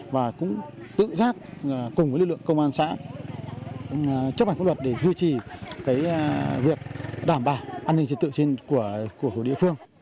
và cũng tự giác cùng với lực lượng công an xã chấp hành pháp luật để duy trì việc đảm bảo an ninh trật tự của địa phương